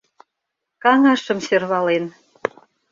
Каҥашым сӧрвален.